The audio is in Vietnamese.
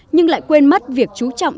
nhưng lại quên mất việc chú trọng